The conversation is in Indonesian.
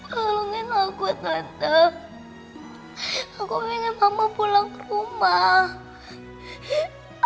tolongin aku tante aku ingin mama pulang ke rumah